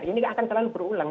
ini akan selalu berulang